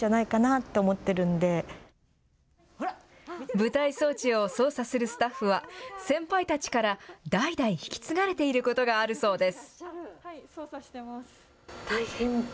舞台装置を操作するスタッフは、先輩たちから代々引き継がれていることがあるそうです。